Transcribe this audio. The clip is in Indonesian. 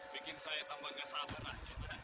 janganlah kau mencimalah dia iyad